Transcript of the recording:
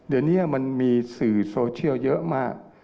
เดี๋ยวนี้มันมีสื่อโซเชียลเยอะมาก